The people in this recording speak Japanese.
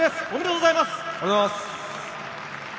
おめでとうございます。